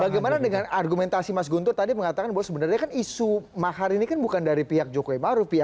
bagaimana dengan argumentasi mas guntur tadi mengatakan bahwa sebenarnya kan isu mahar ini kan bukan dari pihak jokowi maruf ya